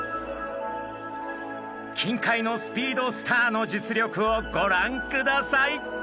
近海のスピードスターの実力をご覧ください！